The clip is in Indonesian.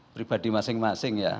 pribadi masing masing ya